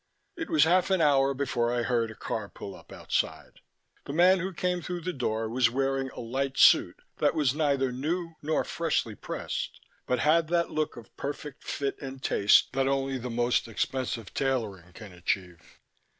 It was half an hour before I heard a car pull up outside. The man who came through the door was wearing a light suit that was neither new nor freshly pressed, but had that look of perfect fit and taste that only the most expensive tailoring can achieve.